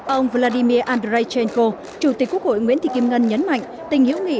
ông vladimir andreychenko chủ tịch quốc hội nguyễn thị kim ngân nhấn mạnh tình hữu nghị